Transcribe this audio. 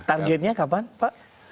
targetnya kapan pak